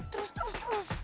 terus terus terus